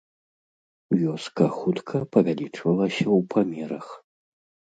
Вёска хутка павялічвалася ў памерах.